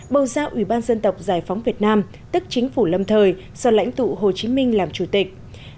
bầu ra ủy ban dân tộc giải phóng việt nam tức chính phủ lâm thời do lãnh tụ hồ chí minh làm chủ tịch